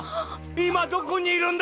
いまどこにいるんだ！？